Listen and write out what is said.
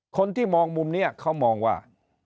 คนที่มองมุมนี้เขามองว่า